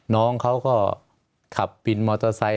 น้องเขาก็ขับวินมอเตอร์ไซค